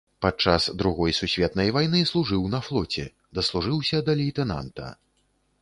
Падчас другой сусветнай вайны служыў на флоце, даслужыўся да лейтэнанта.